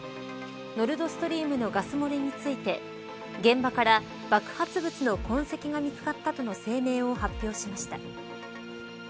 ノルドストリームのガス漏れについて現場から爆発物の痕跡が見つかったとの声明を発表しました。